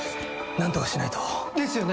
何とかしないと。ですよね。